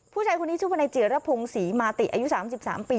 ผู้ชายคนนี้ชื่อวนายเจียรพงศ์ศรีมาติอายุ๓๓ปี